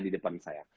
di depan saya